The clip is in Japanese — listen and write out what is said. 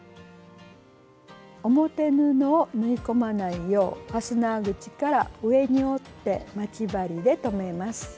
表布を縫い込まないようファスナー口から上に折って待ち針で留めます。